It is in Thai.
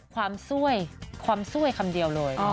สวยความสวยคำเดียวเลย